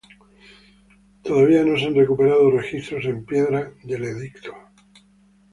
Todavía no se han recuperado registros en piedra del edicto.